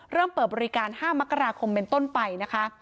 เริ่มเปิดบริการ๕มกราคมเป็นต้นไปนะคะ